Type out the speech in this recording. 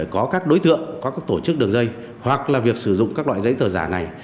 có các đối tượng có các tổ chức đường dây hoặc là việc sử dụng các loại giấy tờ giả này